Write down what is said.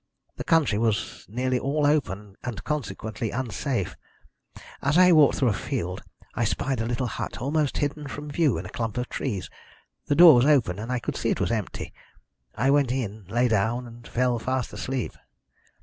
The country was nearly all open, and consequently unsafe. As I walked through a field I spied a little hut, almost hidden from view in a clump of trees. The door was open, and I could see it was empty. I went in, lay down, and fell fast asleep.